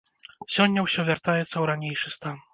Сёння ўсё вяртаецца ў ранейшы стан.